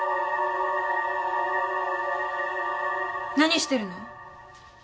何してるの！？